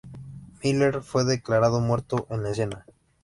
Miller fue declarado muerto en la escena.